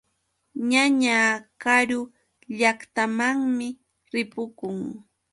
Ñañaa karu llaqtamanmi ripukun.